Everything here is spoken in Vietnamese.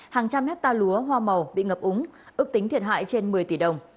hàng trăm hectare lúa hoa màu bị ngập úng ước tính thiệt hại trên một mươi tỷ đồng